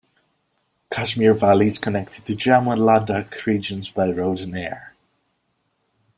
Kashmir valley is connected to Jammu and Ladakh regions by road and air.